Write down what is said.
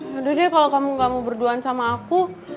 yaudah deh kalau kamu gak mau berduaan sama aku